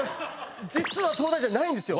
実は東大じゃないんですよ。